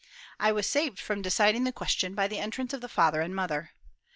I was saved from deciding the question by the entrance of the father and mother.